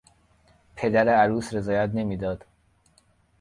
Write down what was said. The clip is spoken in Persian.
پدر عروس رضایت نمیداد.